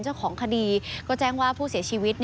เจ้าของคดีก็แจ้งว่าผู้เสียชีวิต